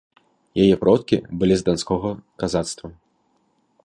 Яе продкі былі з данскога казацтва.